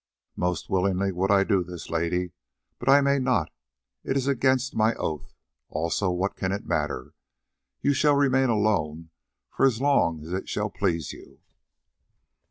"Most willingly would I do this, Lady, but I may not, it is against my oath. Also, what can it matter? You shall remain alone for so long as it shall please you."